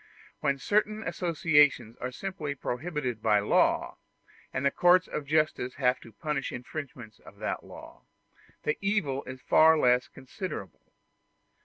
When certain associations are simply prohibited by law, and the courts of justice have to punish infringements of that law, the evil is far less considerable.